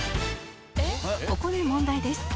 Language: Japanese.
「ここで問題です」